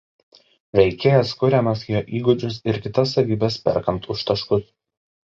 Veikėjas kuriamas jo įgūdžius ir kitas savybes „perkant“ už taškus.